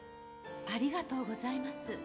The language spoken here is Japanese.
ありがとうございます。